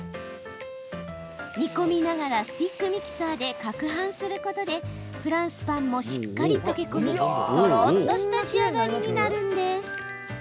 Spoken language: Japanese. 煮込みながらスティックミキサーでかくはんすることでフランスパンもしっかり溶け込みとろっとした仕上がりになるんです。